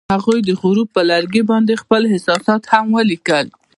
هغوی د غروب پر لرګي باندې خپل احساسات هم لیکل.